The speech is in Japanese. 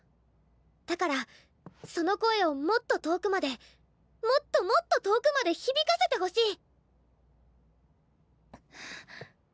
だからその声をもっと遠くまでもっともっと遠くまで響かせてほしい。